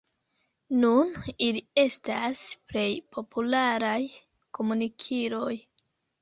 Nun ili estas plej popularaj komunikiloj.